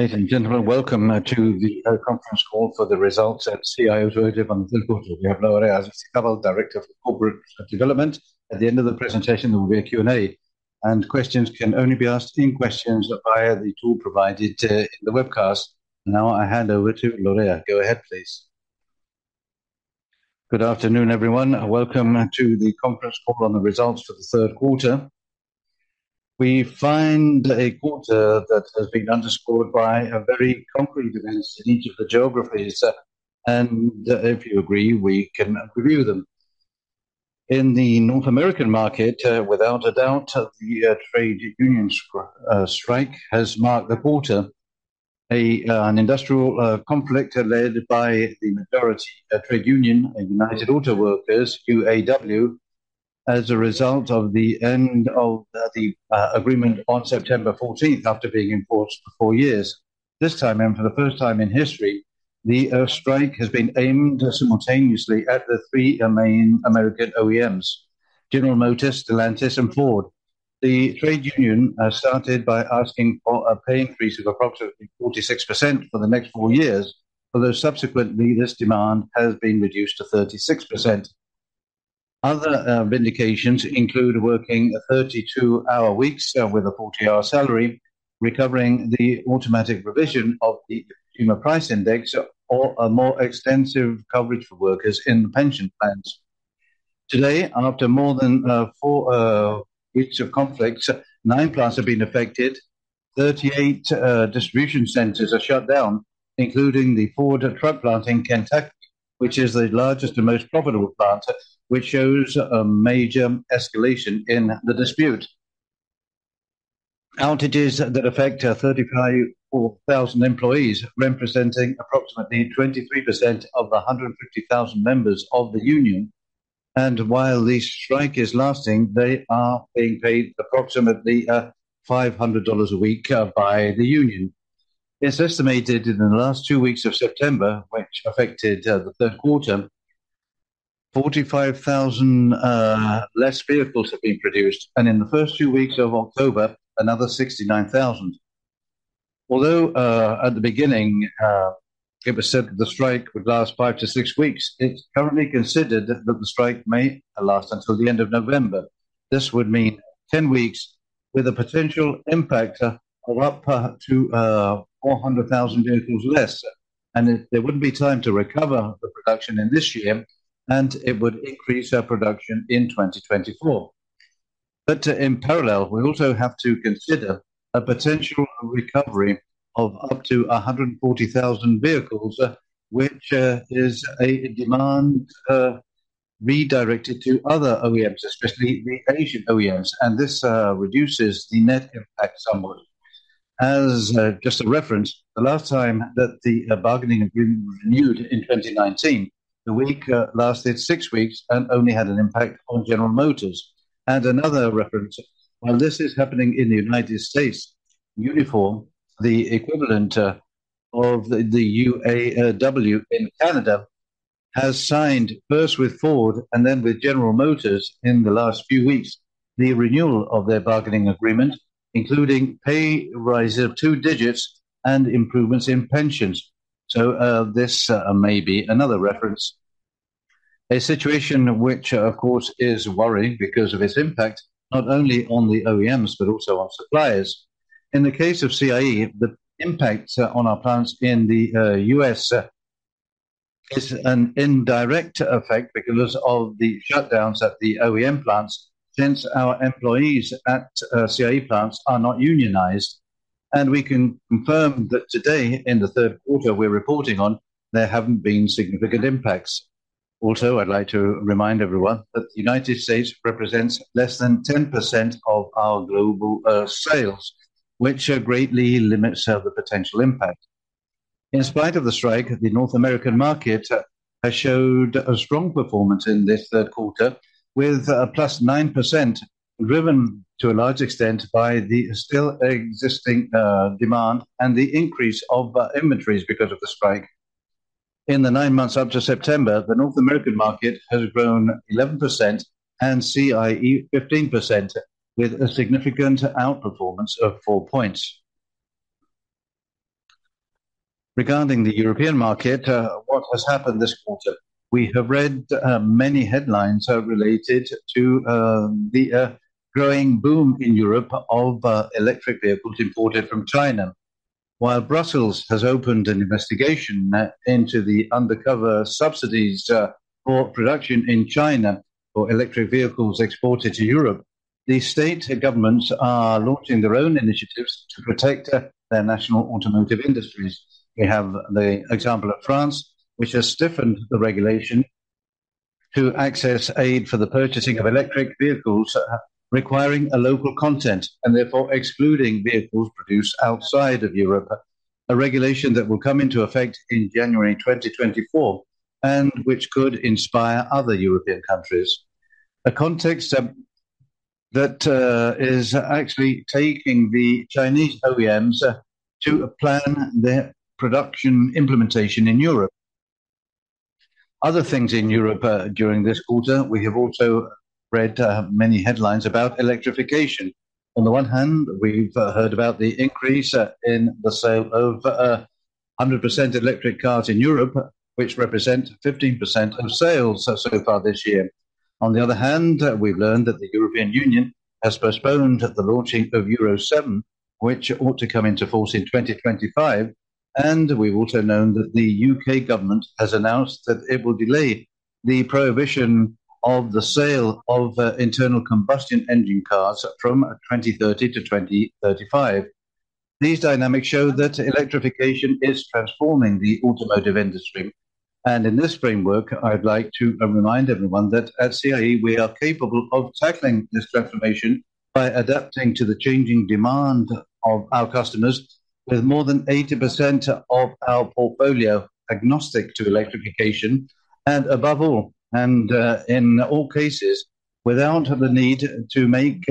Ladies and gentlemen, welcome to the conference call for the Results at CIE Automotive on the Third Quarter. We have Lorea Aristizabal, Director of Corporate Development. At the end of the presentation, there will be a Q&A, and questions can only be asked in questions via the tool provided, in the webcast. Now, I hand over to Lorea. Go ahead, please. Good afternoon, everyone. Welcome to the conference call on the Results for the Third Quarter. We find a quarter that has been underscored by a very concrete events in each of the geographies, and if you agree, we can review them. In the North American market, without a doubt, the trade union strike has marked the quarter. An industrial conflict led by the majority trade union, United Auto Workers, UAW, as a result of the end of the agreement on September 14th, after being in force for four years. This time, and for the first time in history, the strike has been aimed simultaneously at the three main American OEMs: General Motors, Stellantis, and Ford. The trade union started by asking for a pay increase of approximately 46% for the next four years, although subsequently, this demand has been reduced to 36%. Other vindications include working 32-hour weeks with a 40-hour salary, recovering the automatic revision of the Consumer Price Index, or a more extensive coverage for workers in the pension plans. Today, after more than four weeks of conflict, nine plants have been affected, 38 distribution centers are shut down, including the Ford truck plant in Kentucky, which is the largest and most profitable plant, which shows a major escalation in the dispute. Outages that affect 35,000 employees, representing approximately 23% of the 150,000 members of the union, and while the strike is lasting, they are being paid approximately $500 a week by the union. It's estimated in the last two weeks of September, which affected the third quarter, 45,000 less vehicles have been produced, and in the first two weeks of October, another 69,000. Although at the beginning, it was said that the strike would last five to six weeks, it's currently considered that the strike may last until the end of November. This would mean 10 weeks with a potential impact of up to 400,000 vehicles less, and there wouldn't be time to recover the production in this year, and it would increase our production in 2024. But in parallel, we also have to consider a potential recovery of up to 140,000 vehicles, which is a demand redirected to other OEMs, especially the Asian OEMs, and this reduces the net impact somewhat. As just a reference, the last time that the bargaining agreement was renewed in 2019, the week lasted six weeks and only had an impact on General Motors. Another reference, while this is happening in the United States, Unifor, the equivalent of the UAW in Canada, has signed first with Ford and then with General Motors in the last few weeks, the renewal of their bargaining agreement, including pay rise of two digits and improvements in pensions. So, this may be another reference. A situation which, of course, is worrying because of its impact not only on the OEMs, but also on suppliers. In the case of CIE, the impact on our plants in the U.S. is an indirect effect because of the shutdowns at the OEM plants, since our employees at CIE plants are not unionized. We can confirm that today, in the third quarter we're reporting on, there haven't been significant impacts. Also, I'd like to remind everyone that the United States represents less than 10% of our global sales, which greatly limits the potential impact. In spite of the strike, the North American market has showed a strong performance in this third quarter, with +9%, driven to a large extent by the still existing demand and the increase of inventories because of the strike. In the nine months up to September, the North American market has grown 11% and CIE 15%, with a significant outperformance of four points. Regarding the European market, what has happened this quarter? We have read many headlines related to the growing boom in Europe of electric vehicles imported from China. While Brussels has opened an investigation into the undercover subsidies for production in China for electric vehicles exported to Europe, the state governments are launching their own initiatives to protect their national automotive industries. We have the example of France, which has stiffened the regulation to access aid for the purchasing of electric vehicles, requiring a local content, and therefore excluding vehicles produced outside of Europe. A regulation that will come into effect in January 2024, and which could inspire other European countries. A context that is actually taking the Chinese OEMs to plan their production implementation in Europe. Other things in Europe during this quarter, we have also read many headlines about electrification. On the one hand, we've heard about the increase in the sale of 100% electric cars in Europe, which represent 15% of sales so far this year. On the other hand, we've learned that the European Union has postponed the launching of Euro 7, which ought to come into force in 2025, and we've also known that the U.K. government has announced that it will delay the prohibition of the sale of internal combustion engine cars from 2030 to 2035. These dynamics show that electrification is transforming the automotive industry, and in this framework, I'd like to remind everyone that at CIE, we are capable of tackling this transformation by adapting to the changing demand of our customers, with more than 80% of our portfolio agnostic to electrification, and above all, in all cases, without the need to make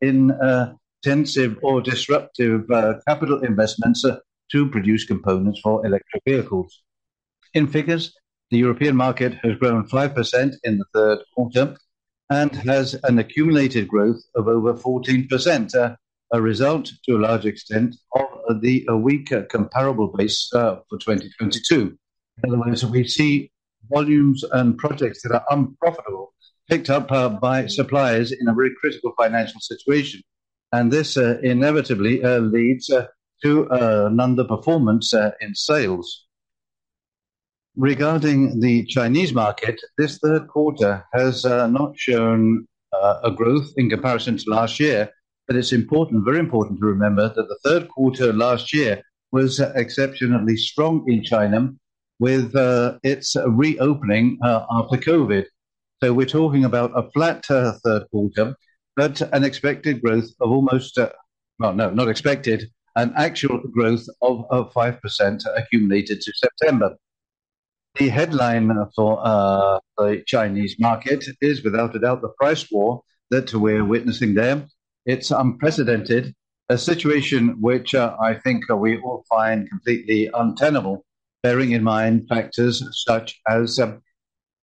intensive or disruptive capital investments to produce components for electric vehicles. In figures, the European market has grown 5% in the third quarter and has an accumulated growth of over 14%. A result, to a large extent, of the weaker comparable base for 2022. Otherwise, we see volumes and projects that are unprofitable, picked up by suppliers in a very critical financial situation, and this inevitably leads to an underperformance in sales. Regarding the Chinese market, this third quarter has not shown a growth in comparison to last year, but it's important, very important to remember that the third quarter last year was exceptionally strong in China with its reopening after COVID. So we're talking about a flat third quarter, but an expected growth of almost... Well, no, not expected, an actual growth of 5% accumulated to September. The headline for the Chinese market is, without a doubt, the price war that we're witnessing there. It's unprecedented, a situation which, I think we all find completely untenable, bearing in mind factors such as,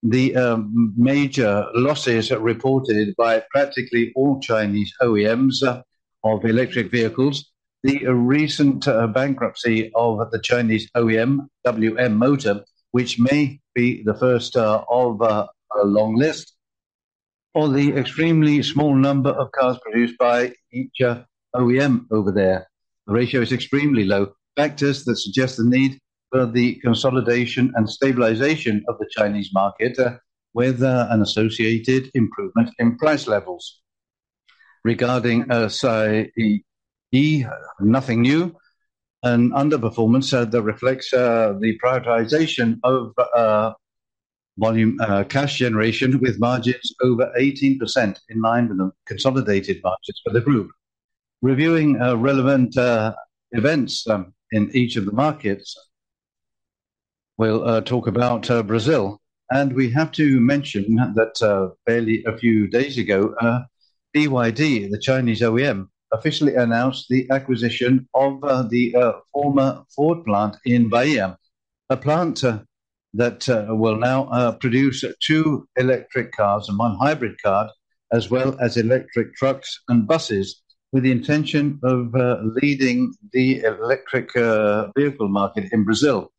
the, major losses reported by practically all Chinese OEMs of electric vehicles, the recent, bankruptcy of the Chinese OEM, WM Motor, which may be the first, of, a long list, or the extremely small number of cars produced by each, OEM over there. The ratio is extremely low. Factors that suggest the need for the consolidation and stabilization of the Chinese market, with, an associated improvement in price levels. Regarding, CIE, nothing new. An underperformance, that reflects, the prioritization of, volume, cash generation, with margins over 18% in line with the consolidated budgets for the group. Reviewing relevant events in each of the markets, we'll talk about Brazil, and we have to mention that barely a few days ago BYD, the Chinese OEM, officially announced the acquisition of the former Ford plant in Bahia. A plant that will now produce two electric cars and one hybrid car, as well as electric trucks and buses, with the intention of leading the electric vehicle market in Brazil.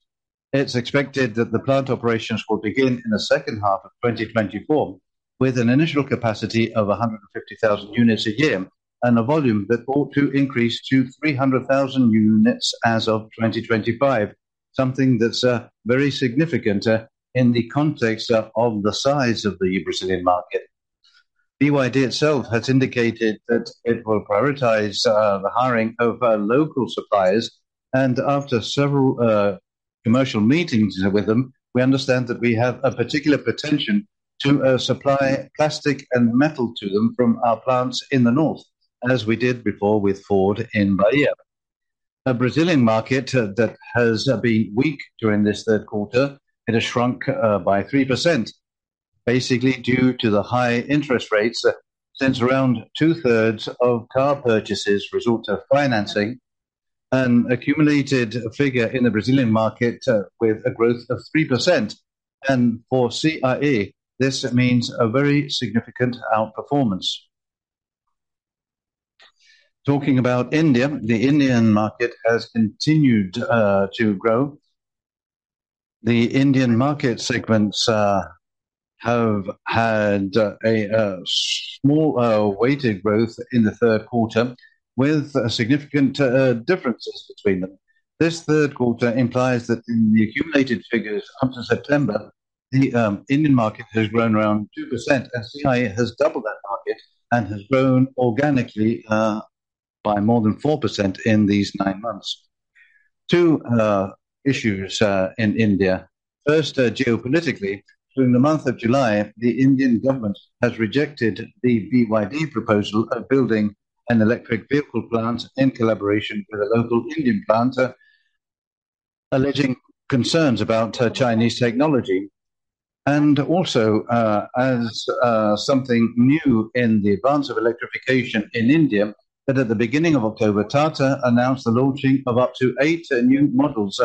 It's expected that the plant operations will begin in the second half of 2024, with an initial capacity of 150,000 units a year, and a volume that ought to increase to 300,000 units as of 2025. Something that's very significant in the context of the size of the Brazilian market. BYD itself has indicated that it will prioritize the hiring of local suppliers, and after several commercial meetings with them, we understand that we have a particular potential to supply plastic and metal to them from our plants in the north, as we did before with Ford in Bahia. The Brazilian market that has been weak during this third quarter. It has shrunk by 3%, basically due to the high interest rates, since around two-thirds of car purchases resort to financing, an accumulated figure in the Brazilian market with a growth of 3%. And for CIE, this means a very significant outperformance. Talking about India, the Indian market has continued to grow. The Indian market segments have had a small weighted growth in the third quarter, with significant differences between them. This third quarter implies that in the accumulated figures up to September, the Indian market has grown around 2%, and CIE has doubled that market and has grown organically by more than 4% in these nine months. Two issues in India. First, geopolitically, during the month of July, the Indian government has rejected the BYD proposal of building an electric vehicle plant in collaboration with a local Indian partner, alleging concerns about Chinese technology. And also, as something new in the advance of electrification in India, that at the beginning of October, Tata announced the launching of up to eight new models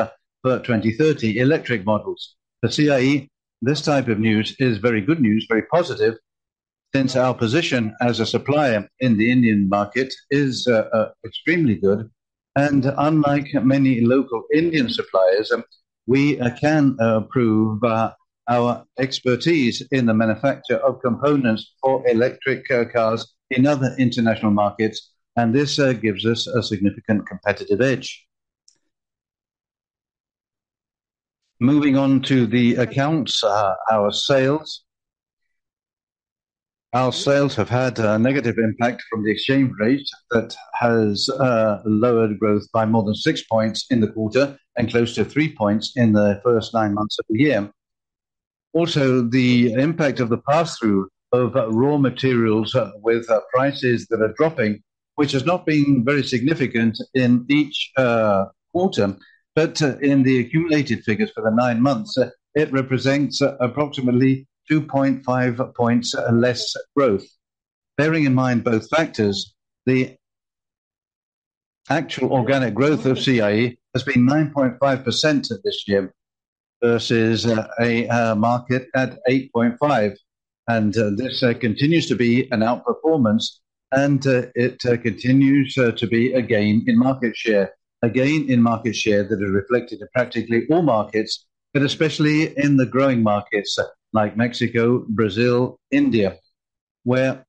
for 2030 electric models. For CIE, this type of news is very good news, very positive. Since our position as a supplier in the Indian market is extremely good, and unlike many local Indian suppliers, we can prove our expertise in the manufacture of components for electric cars in other international markets, and this gives us a significant competitive edge. Moving on to the accounts, our sales. Our sales have had a negative impact from the exchange rate that has lowered growth by more than six points in the quarter, and close to three points in the first nine months of the year. Also, the impact of the pass-through of raw materials with prices that are dropping, which has not been very significant in each quarter, but in the accumulated figures for the nine months, it represents approximately 2.5 points less growth. Bearing in mind both factors, the actual organic growth of CIE has been 9.5% this year, versus a market at 8.5%, and this continues to be an outperformance, and it continues to be a gain in market share. A gain in market share that is reflected in practically all markets, but especially in the growing markets like Mexico, Brazil, India, where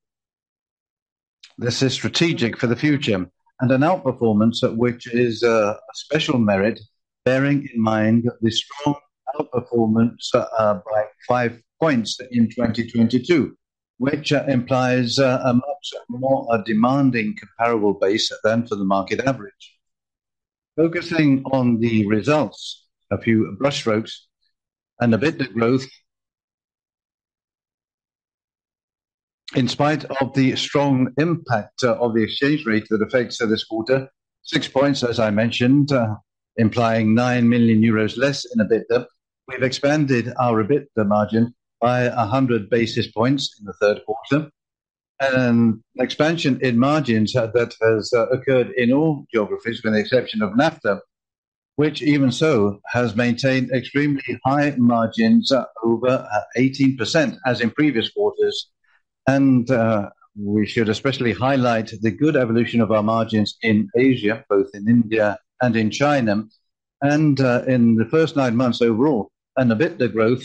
this is strategic for the future, and an outperformance at which is a special merit, bearing in mind the strong outperformance by five points in 2022, which implies a much more demanding comparable base than for the market average. Focusing on the results, a few brushstrokes and EBITDA growth. In spite of the strong impact of the exchange rate that affects this quarter, six points, as I mentioned, implying 9 million euros less in EBITDA, we've expanded our EBITDA margin by 100 basis points in the third quarter. An expansion in margins that has occurred in all geographies, with the exception of NAFTA, which even so, has maintained extremely high margins, over 18%, as in previous quarters. We should especially highlight the good evolution of our margins in Asia, both in India and in China, and in the first nine months overall. EBITDA growth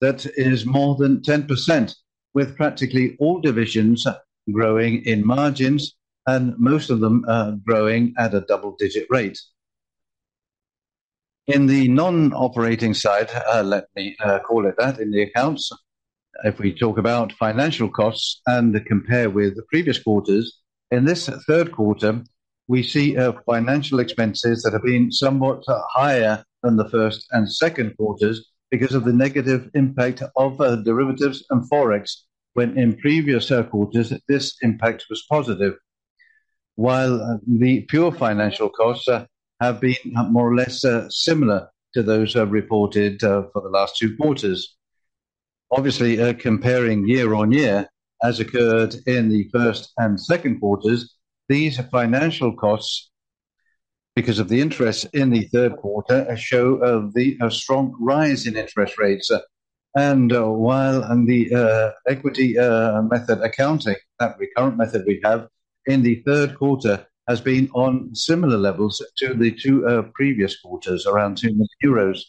that is more than 10%, with practically all divisions growing in margins, and most of them growing at a double-digit rate. In the non-operating side, let me call it that in the accounts, if we talk about financial costs and compare with the previous quarters, in this third quarter, we see financial expenses that have been somewhat higher than the first and second quarters because of the negative impact of derivatives and Forex, when in previous quarters, this impact was positive. While the pure financial costs have been more or less similar to those reported for the last two quarters. Obviously, comparing year-on-year, as occurred in the first and second quarters, these financial costs, because of the interest in the third quarter, a show of the a strong rise in interest rates. While on the equity method accounting, that current method we have in the third quarter has been on similar levels to the two previous quarters, around 2 million euros.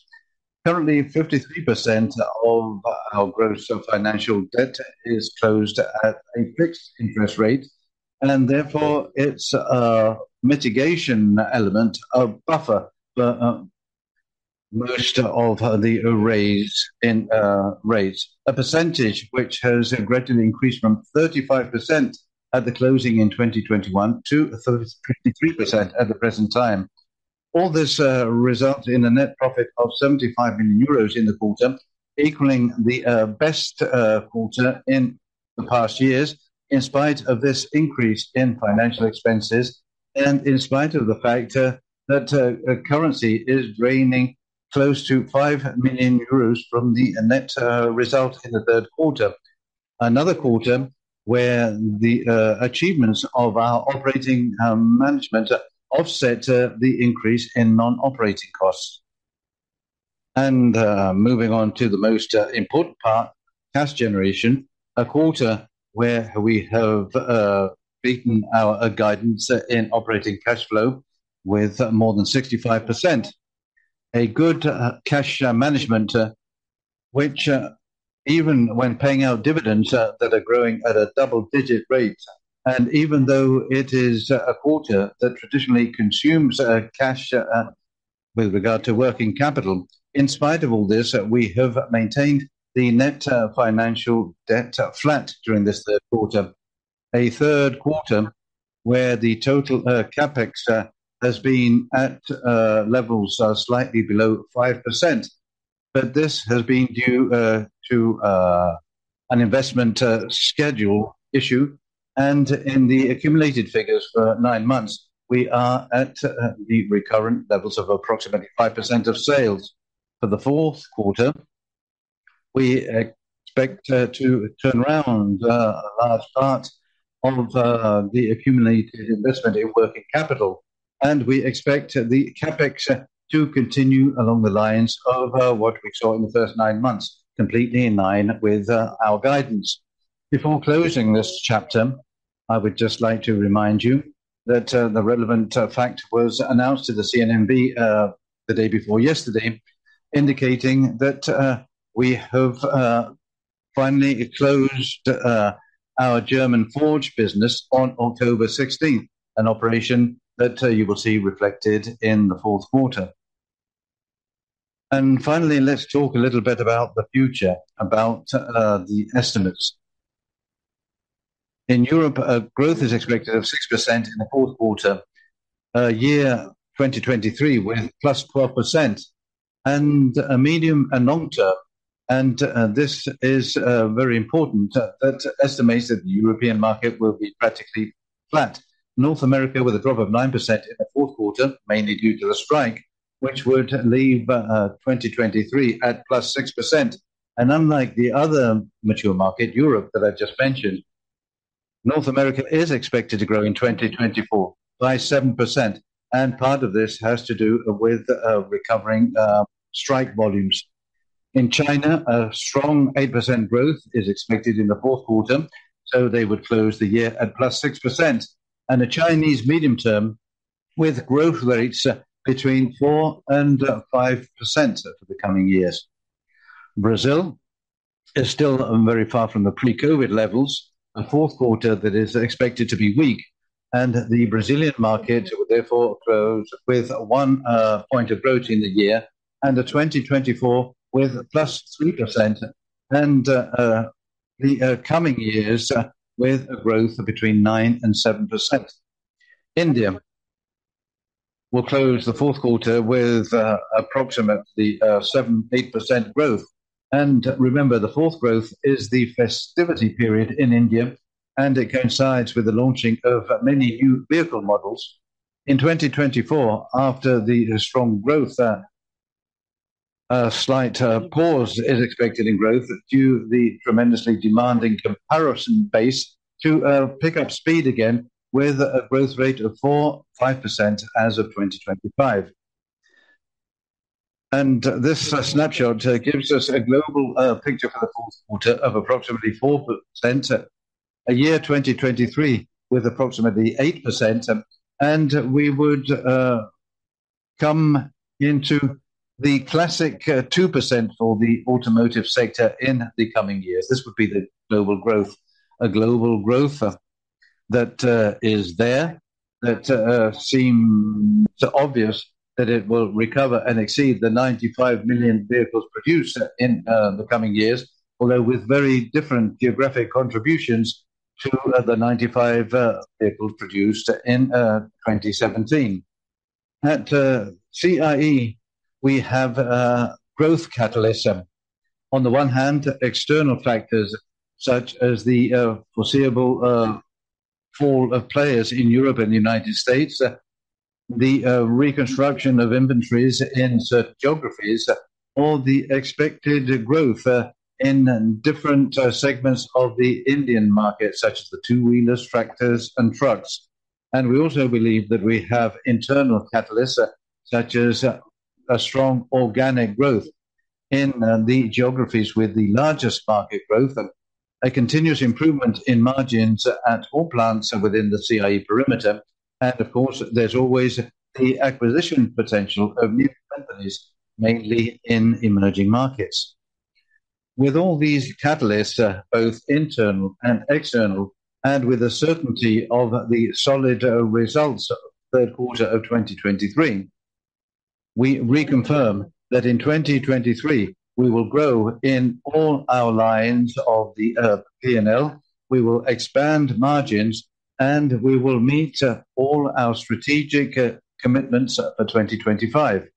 Currently, 53% of our gross financial debt is closed at a fixed interest rate, and therefore, it's a mitigation element, a buffer, but most of the increase in rates, a percentage which has greatly increased from 35% at the closing in 2021 to 33% at the present time. All this results in a net profit of 75 million euros in the quarter, equaling the best quarter in the past years, in spite of this increase in financial expenses, and in spite of the fact that currency is draining close to 5 million euros from the net result in the third quarter. Another quarter where the achievements of our operating management offset the increase in non-operating costs. Moving on to the most important part, cash generation, a quarter where we have beaten our guidance in operating cash flow with more than 65%. A good cash management which even when paying out dividends that are growing at a double-digit rate, and even though it is a quarter that traditionally consumes cash with regard to working capital, in spite of all this, we have maintained the net financial debt flat during this third quarter. A third quarter where the total CapEx has been at levels slightly below 5%, but this has been due to an investment schedule issue. And in the accumulated figures for nine months, we are at the recurrent levels of approximately 5% of sales. For the fourth quarter, we expect to turn around a large part of the accumulated investment in working capital, and we expect the CapEx to continue along the lines of what we saw in the first nine months, completely in line with our guidance. Before closing this chapter, I would just like to remind you that the relevant fact was announced to the CNMV the day before yesterday, indicating that we have finally closed our German forge business on October 16th. An operation that you will see reflected in the fourth quarter. And finally, let's talk a little bit about the future, about the estimates. In Europe, growth is expected of 6% in the fourth quarter, year 2023, with +12% in the medium and long term, and this is very important, the estimates that the European market will be practically flat. North America, with a drop of 9% in the fourth quarter, mainly due to the strike, which would leave 2023 at +6%. Unlike the other mature market, Europe, that I just mentioned, North America is expected to grow in 2024 by 7%, and part of this has to do with recovering strike volumes. In China, a strong 8% growth is expected in the fourth quarter, so they would close the year at +6%. And the Chinese medium term, with growth rates between 4% and 5% for the coming years. Brazil is still very far from the pre-COVID levels. A fourth quarter that is expected to be weak, and the Brazilian market will therefore close with one point of growth in the year, and the 2024 with +3%, and the coming years with a growth of between 9% and 7%. India will close the fourth quarter with approximately 7%-8% growth. And remember, the fourth quarter is the festivity period in India, and it coincides with the launching of many new vehicle models. In 2024, after the strong growth, a slight pause is expected in growth due to the tremendously demanding comparison base to pick up speed again, with a growth rate of 4%-5% as of 2025. And this snapshot gives us a global picture for the fourth quarter of approximately 4% year 2023 with approximately 8%. And we would come into the classic 2% for the automotive sector in the coming years. This would be the global growth, a global growth that is there, that seem so obvious that it will recover and exceed the 95 million vehicles produced in the coming years, although with very different geographic contributions to the 95 vehicles produced in 2017. At CIE, we have a growth catalyst. On the one hand, external factors such as the foreseeable fall of players in Europe and the United States, the reconstruction of inventories in certain geographies, or the expected growth in different segments of the Indian market, such as the two-wheelers, tractors, and trucks. We also believe that we have internal catalysts, such as a strong organic growth in the geographies with the largest market growth, and a continuous improvement in margins at all plants and within the CIE perimeter. Of course, there's always the acquisition potential of new companies, mainly in emerging markets. With all these catalysts, both internal and external, and with the certainty of the solid results of third quarter of 2023, we reconfirm that in 2023, we will grow in all our lines of the P&L, we will expand margins, and we will meet all our strategic commitments for 2025.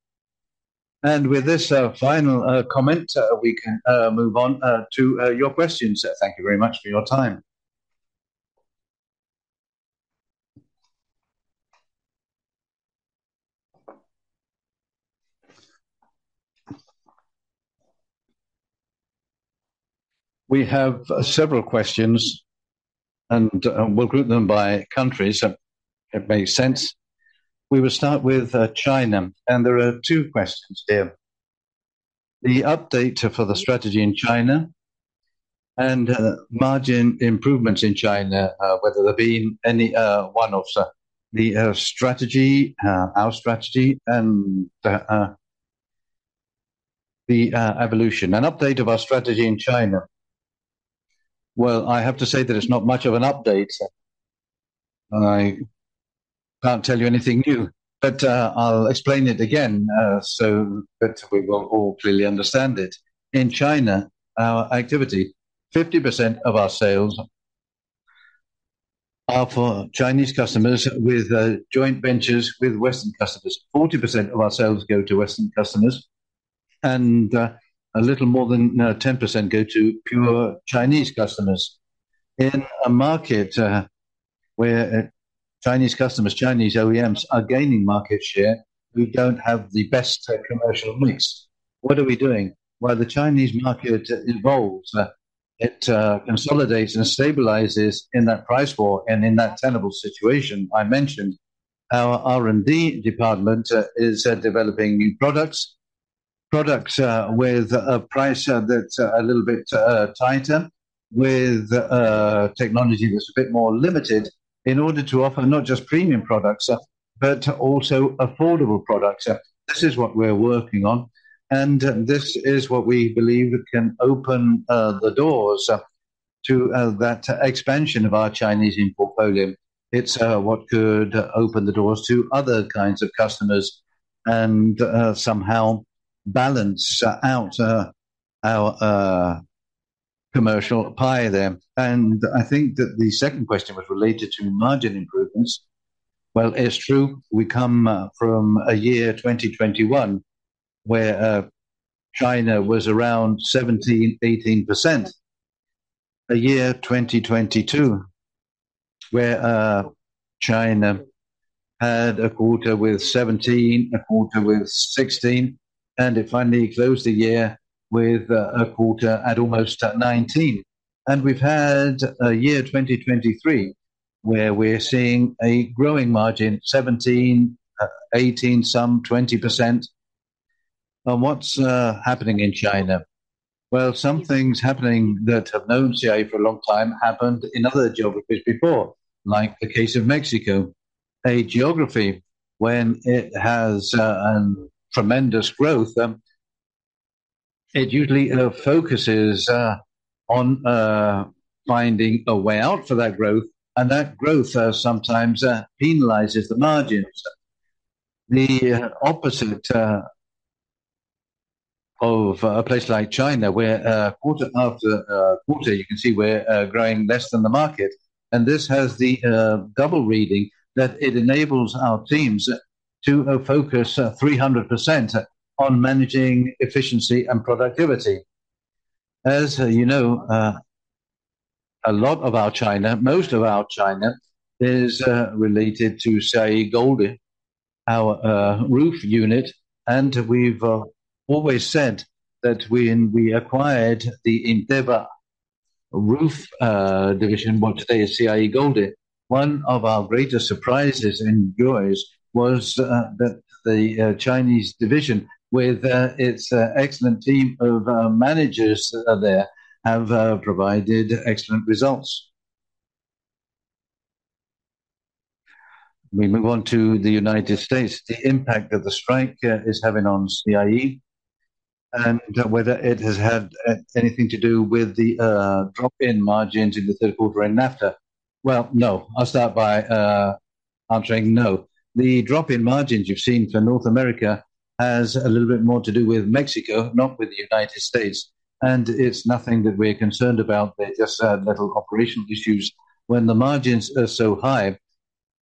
With this final comment, we can move on to your questions. Thank you very much for your time. We have several questions, and we'll group them by countries, if it makes sense. We will start with China, and there are two questions there. The update for the strategy in China and margin improvements in China, whether there be any one of the strategy, our strategy and the evolution. An update of our strategy in China. Well, I have to say that it's not much of an update. I can't tell you anything new, but I'll explain it again so that we will all clearly understand it. In China, our activity, 50% of our sales are for Chinese customers with joint ventures with Western customers. 40% of our sales go to Western customers, and a little more than 10% go to pure Chinese customers. In a market where Chinese customers, Chinese OEMs are gaining market share, we don't have the best commercial mix. What are we doing? Well, the Chinese market evolves. It consolidates and stabilizes in that price war, and in that tenable situation I mentioned, our R&D department is developing new products. Products with a price that's a little bit tighter, with technology that's a bit more limited, in order to offer not just premium products, but also affordable products. This is what we're working on, and this is what we believe can open the doors to that expansion of our Chinese portfolio. It's what could open the doors to other kinds of customers and somehow balance out our commercial pie there. And I think that the second question was related to margin improvements. Well, it's true, we come from a year 2021, where China was around 17%-18%. A year 2022, where China had a quarter with 17%, a quarter with 16%, and it finally closed the year with a quarter at almost 19%. We've had a year 2023, where we're seeing a growing margin, 17, 18, some 20%. What's happening in China? Well, some things happening that have known CIE for a long time, happened in other geographies before, like the case of Mexico. A geography, when it has tremendous growth, it usually focuses on finding a way out for that growth, and that growth sometimes penalizes the margins. The opposite of a place like China, where quarter after quarter, you can see we're growing less than the market. This has the double reading that it enables our teams to focus 300% on managing efficiency and productivity. As you know, a lot of our China—most of our China is related to, say, Golde, our roof unit, and we've always said that when we acquired the Inteva Roof division, what today is CIE Golde, one of our greatest surprises and joys was that the Chinese division, with its excellent team of managers there, have provided excellent results. We move on to the United States. The impact that the strike is having on CIE, and whether it has had anything to do with the drop in margins in the third quarter in NAFTA. Well, no. I'll start by answering no. The drop in margins you've seen for North America has a little bit more to do with Mexico, not with the United States, and it's nothing that we're concerned about. They're just little operational issues. When the margins are so high,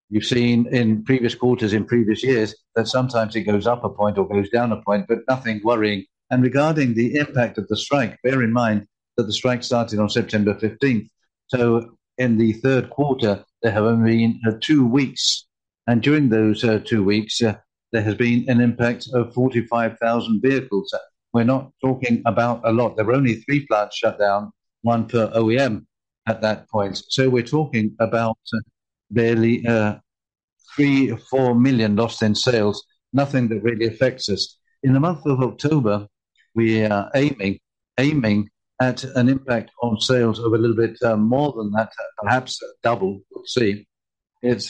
you've seen in previous quarters in previous years, that sometimes it goes up a point or goes down a point, but nothing worrying. And regarding the impact of the strike, bear in mind that the strike started on September 15th. So in the third quarter, there have only been two weeks, and during those two weeks, there has been an impact of 45,000 vehicles. We're not talking about a lot. There were only three plants shut down, one per OEM at that point. So we're talking about barely three or four million lost in sales. Nothing that really affects us. In the month of October, we are aiming, aiming at an impact on sales of a little bit more than that, perhaps double. We'll see. It's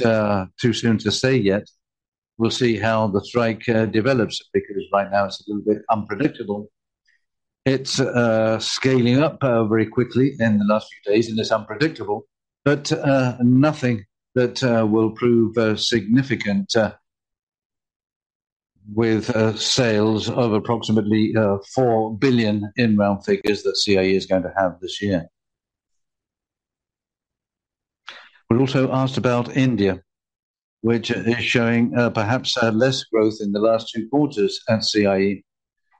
too soon to say yet. We'll see how the strike develops, because right now it's a little bit unpredictable. It's scaling up very quickly in the last few days, and it's unpredictable, but nothing that will prove significant with sales of approximately 4 billion in round figures that CIE is going to have this year. We're also asked about India, which is showing perhaps less growth in the last two quarters at CIE.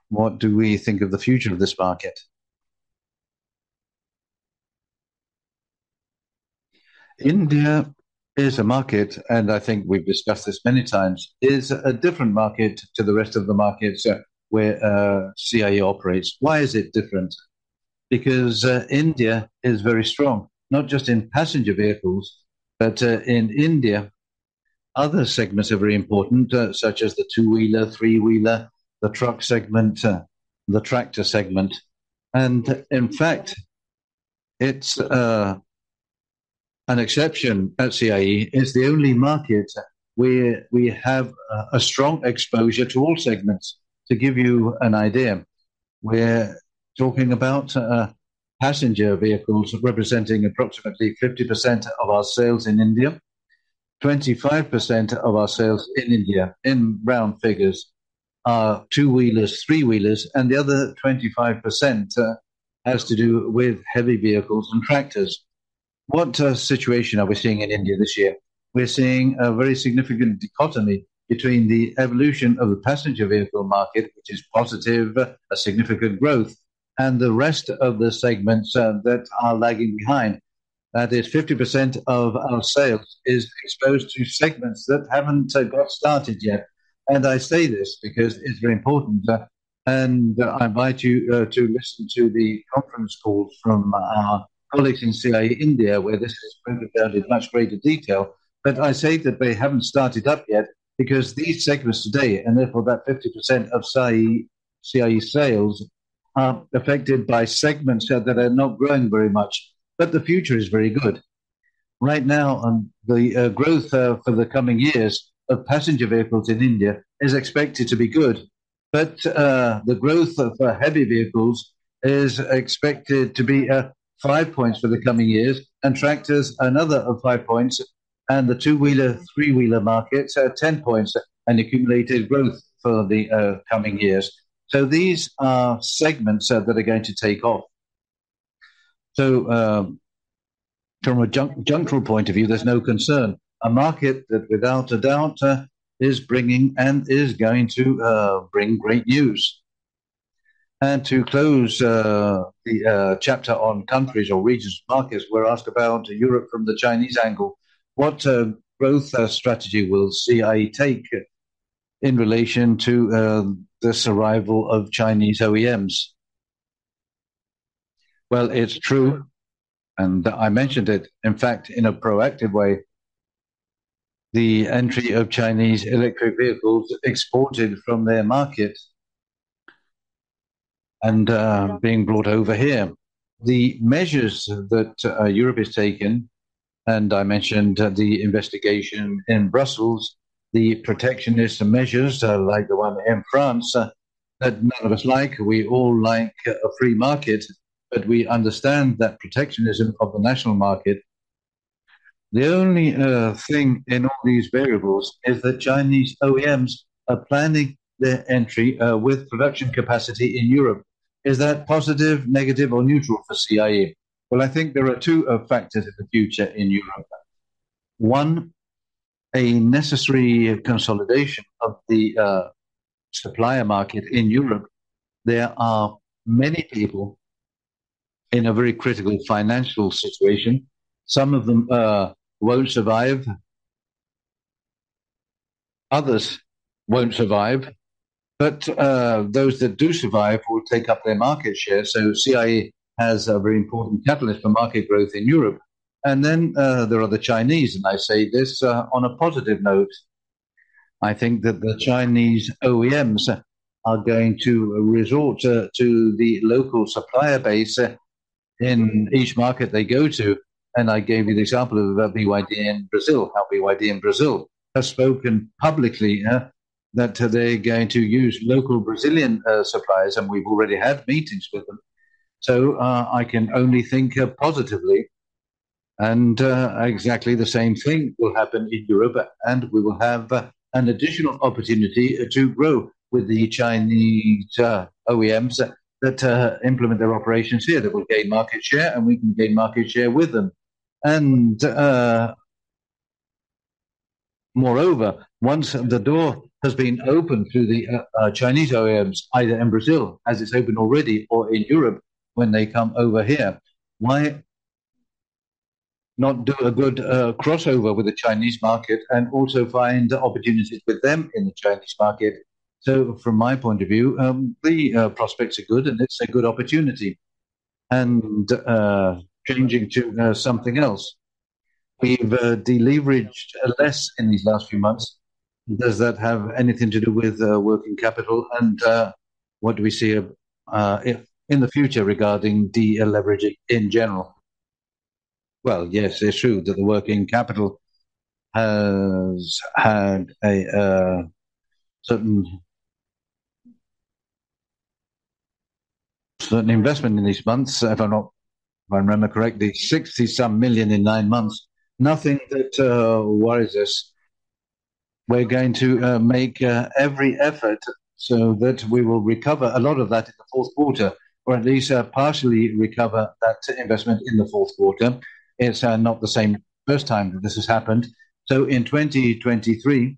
What do we think of the future of this market? India is a market, and I think we've discussed this many times, is a different market to the rest of the markets where CIE operates. Why is it different? Because, India is very strong, not just in passenger vehicles, but, in India, other segments are very important, such as the two-wheeler, three-wheeler, the truck segment, the tractor segment. And in fact, it's, an exception at CIE. It's the only market where we have a strong exposure to all segments. To give you an idea, we're talking about, passenger vehicles representing approximately 50% of our sales in India. 25% of our sales in India, in round figures, are two-wheelers, three-wheelers, and the other 25%, has to do with heavy vehicles and tractors. What situation are we seeing in India this year? We're seeing a very significant dichotomy between the evolution of the passenger vehicle market, which is positive, a significant growth, and the rest of the segments, that are lagging behind. That is 50% of our sales is exposed to segments that haven't got started yet. And I say this because it's very important, and I invite you to listen to the conference calls from our colleagues in CIE, India, where this is printed out in much greater detail. But I say that they haven't started up yet because these segments today, and therefore about 50% of CIE, CIE sales, are affected by segments that are not growing very much. But the future is very good. Right now, the growth for the coming years of passenger vehicles in India is expected to be good. The growth of heavy vehicles is expected to be five points for the coming years, and tractors another five points, and the two-wheeler, three-wheeler markets 10 points, an accumulated growth for the coming years. These are segments that are going to take off. From a conjunctural point of view, there's no concern. A market that without a doubt is bringing and is going to bring great news. To close the chapter on countries or regions markets, we're asked about Europe from the Chinese angle. What growth strategy will CIE take in relation to this arrival of Chinese OEMs? Well, it's true, and I mentioned it, in fact, in a proactive way, the entry of Chinese electric vehicles exported from their market and being brought over here. The measures that Europe has taken, and I mentioned the investigation in Brussels, the protectionist measures, like the one in France, that none of us like. We all like a free market, but we understand that protectionism of the national market. The only thing in all these variables is that Chinese OEMs are planning their entry, with production capacity in Europe. Is that positive, negative, or neutral for CIE? Well, I think there are two factors of the future in Europe. One, a necessary consolidation of the supplier market in Europe. There are many people in a very critical financial situation. Some of them won't survive. Others won't survive, but those that do survive will take up their market share. So CIE has a very important catalyst for market growth in Europe. And then, there are the Chinese, and I say this, on a positive note. I think that the Chinese OEMs are going to resort to the local supplier base in each market they go to, and I gave you the example of BYD in Brazil. Now, BYD in Brazil has spoken publicly that they're going to use local Brazilian suppliers, and we've already had meetings with them. So, I can only think positively, and exactly the same thing will happen in Europe, and we will have an additional opportunity to grow with the Chinese OEMs that implement their operations here. They will gain market share, and we can gain market share with them. Moreover, once the door has been opened to the Chinese OEMs, either in Brazil, as it's opened already, or in Europe when they come over here, why not do a good crossover with the Chinese market and also find opportunities with them in the Chinese market? So from my point of view, the prospects are good and it's a good opportunity. Changing to something else. We've deleveraged less in these last few months. Does that have anything to do with working capital? And what do we see if in the future regarding deleveraging in general? Well, yes, it's true that the working capital has had a certain investment in these months. If I remember correctly, 60-some million in nine months. Nothing that worries us. We're going to make every effort so that we will recover a lot of that in the fourth quarter, or at least partially recover that investment in the fourth quarter. It's not the same first time that this has happened. So in 2023,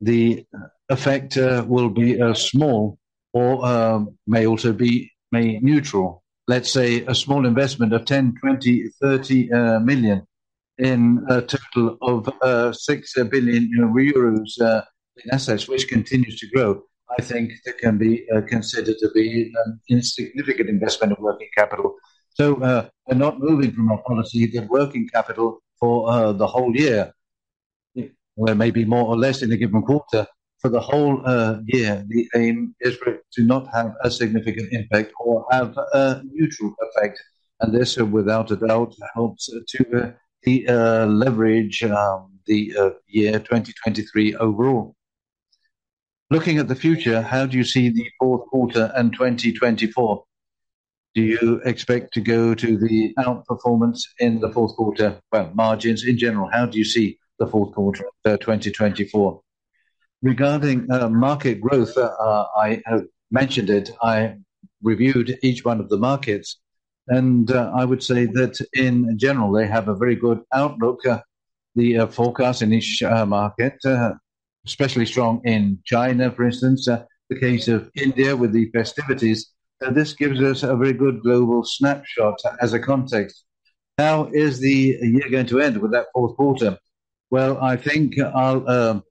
the effect will be small or may also be neutral. Let's say a small investment of 10, 20, 30 million in a total of 6 billion euros in assets, which continues to grow. I think it can be considered to be an insignificant investment of working capital. So we're not moving from a policy of working capital for the whole year, where may be more or less in a given quarter. For the whole year, the aim is for it to not have a significant impact or have a neutral effect, and this, without a doubt, helps to deleverage the year 2023 overall. Looking at the future, how do you see the fourth quarter and 2024? Do you expect to go to the outperformance in the fourth quarter? Well, margins in general, how do you see the fourth quarter of 2024? Regarding market growth, I mentioned it, I reviewed each one of the markets, and I would say that in general, they have a very good outlook, the forecast in each market, especially strong in China, for instance, the case of India with the festivities. And this gives us a very good global snapshot as a context. How is the year going to end with that fourth quarter? Well, I think I'll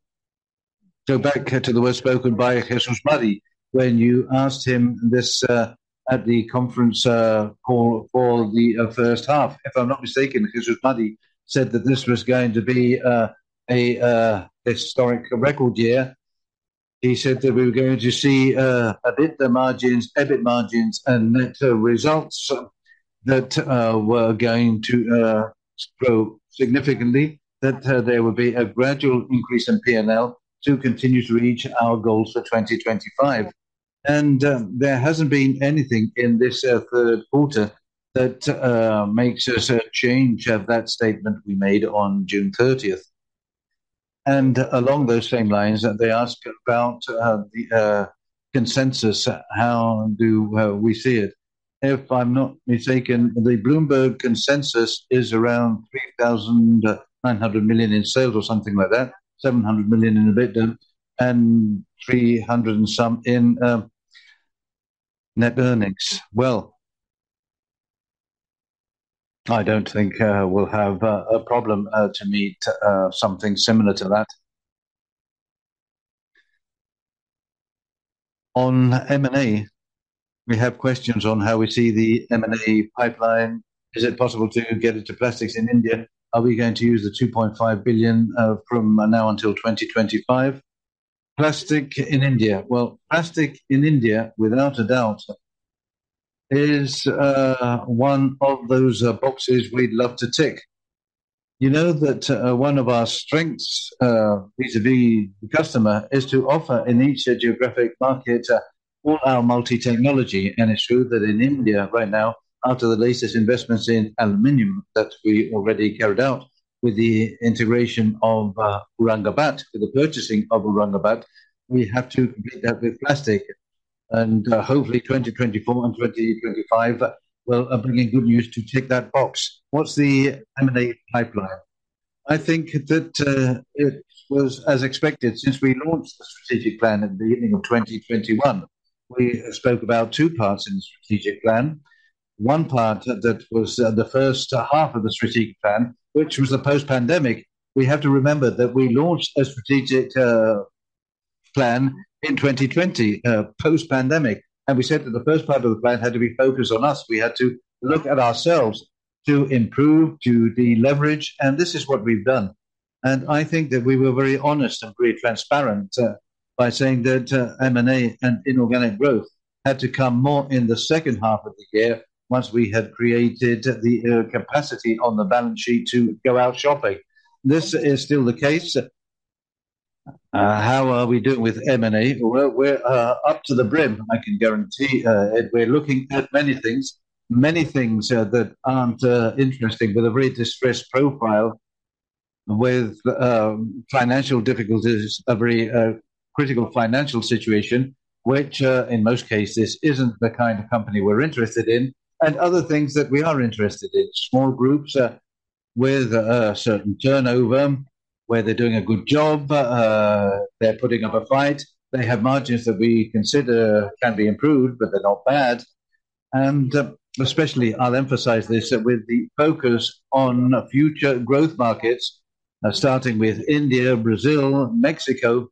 go back to the words spoken by Jesús María, when you asked him this at the conference call for the first half. If I'm not mistaken, Jesús María said that this was going to be a historic record year. He said that we were going to see a bit the margins, EBIT margins and net results that were going to grow significantly, that there would be a gradual increase in PNL to continue to reach our goals for 2025. There hasn't been anything in this third quarter that makes us change that statement we made on June 30th. Along those same lines, they ask about the consensus, how do we see it? If I'm not mistaken, the Bloomberg consensus is around 3,900 million in sales or something like that, 700 million in EBITDA, and 300 million and some in net earnings. Well, I don't think we'll have a problem to meet something similar to that. On M&A, we have questions on how we see the M&A pipeline. Is it possible to get into plastics in India? Are we going to use the 2.5 billion from now until 2025? Plastic in India. Well, plastic in India, without a doubt, is one of those boxes we'd love to tick. You know that one of our strengths vis-à-vis the customer is to offer in each geographic market all our multi-technology. And it's true that in India right now, after the latest investments in aluminum that we already carried out with the integration of Aurangabad, with the purchasing of Aurangabad, we have to complete that with plastic. And hopefully, 2024 and 2025 will bring in good news to tick that box. What's the M&A pipeline? I think that it was as expected since we launched the strategic plan at the beginning of 2021. We spoke about two parts in the strategic plan. One part that was the first half of the strategic plan, which was the post-pandemic. We have to remember that we launched a strategic plan in 2020 post-pandemic, and we said that the first part of the plan had to be focused on us. We had to look at ourselves to improve, to deleverage, and this is what we've done. I think that we were very honest and very transparent by saying that M&A and inorganic growth had to come more in the second half of the year, once we had created the capacity on the balance sheet to go out shopping. This is still the case. How are we doing with M&A? Well, we're up to the brim, I can guarantee it. We're looking at many things, many things that aren't interesting, with a very distressed profile, with financial difficulties, a very critical financial situation, which in most cases isn't the kind of company we're interested in, and other things that we are interested in. Small groups, with a certain turnover, where they're doing a good job, they're putting up a fight. They have margins that we consider can be improved, but they're not bad. And, especially, I'll emphasize this, with the focus on future growth markets, starting with India, Brazil, Mexico,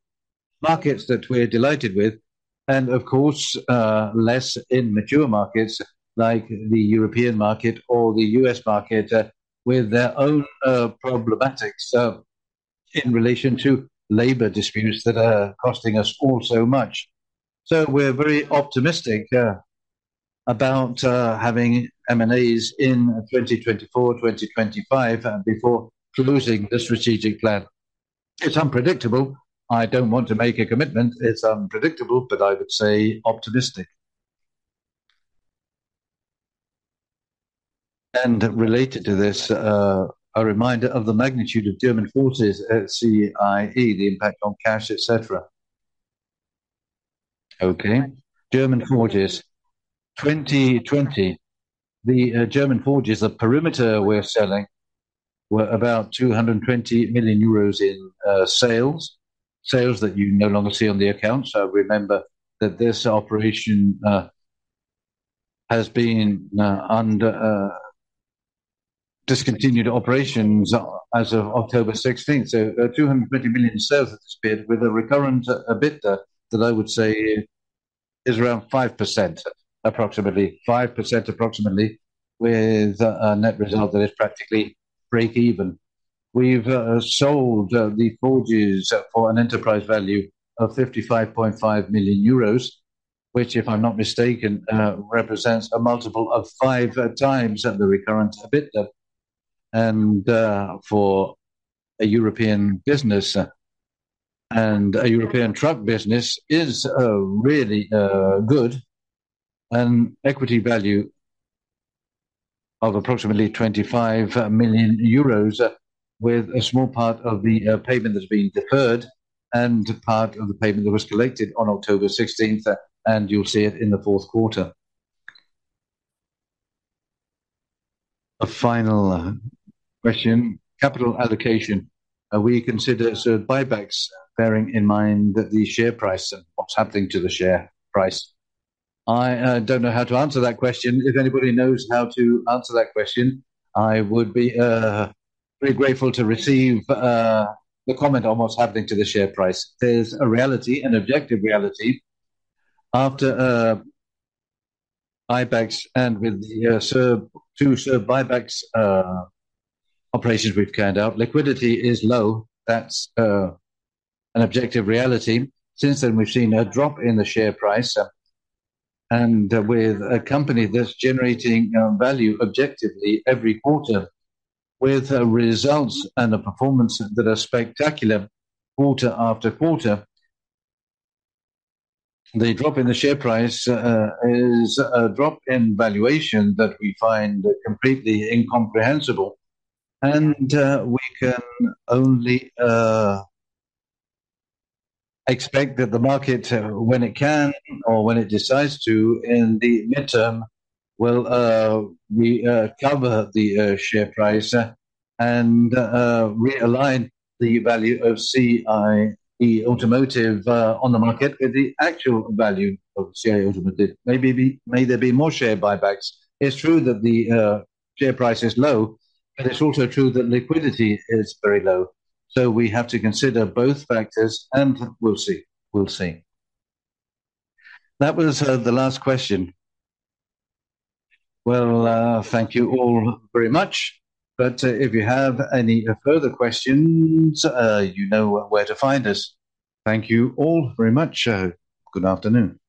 markets that we're delighted with, and of course, less in mature markets like the European market or the U.S. market, with their own problematics, in relation to labor disputes that are costing us all so much. So we're very optimistic about having M&As in 2024, 2025, and before closing the strategic plan. It's unpredictable. I don't want to make a commitment. It's unpredictable, but I would say optimistic. And related to this, a reminder of the magnitude of German forges at CIE, the impact on cash, et cetera. Okay. German forges. 2020, the German forges, the perimeter we're selling were about 220 million euros in sales. Sales that you no longer see on the account, so remember that this operation has been under discontinued operations as of October 16. So, 220 million sales at this bid, with a recurrent EBITDA that I would say is around 5%, approximately. 5%, approximately, with a net result that is practically breakeven. We've sold the forges for an enterprise value of 55.5 million euros, which, if I'm not mistaken, represents a multiple of 5x the recurrent EBITDA. And, for a European business, and a European truck business, is really good. An equity value of approximately 25 million euros, with a small part of the payment that's being deferred and part of the payment that was collected on October 16, and you'll see it in the fourth quarter. A final question. Capital allocation. Will you consider share buybacks, bearing in mind that the share price and what's happening to the share price? I don't know how to answer that question. If anybody knows how to answer that question, I would be very grateful to receive the comment on what's happening to the share price. There's a reality, an objective reality after buybacks and with the two share buybacks operations we've carried out. Liquidity is low. That's an objective reality. Since then, we've seen a drop in the share price, and with a company that's generating value objectively every quarter with results and a performance that are spectacular quarter after quarter. The drop in the share price is a drop in valuation that we find completely incomprehensible, and we can only expect that the market, when it can or when it decides to in the midterm, will recover the share price, and realign the value of CIE Automotive on the market with the actual value of CIE Automotive. Maybe may there be more share buybacks. It's true that the share price is low, but it's also true that liquidity is very low. So we have to consider both factors, and we'll see. We'll see. That was the last question. Well, thank you all very much, but, if you have any further questions, you know where to find us. Thank you all very much. Good afternoon.